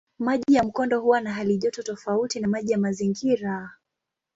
Maji ya mkondo huwa na halijoto tofauti na maji ya mazingira.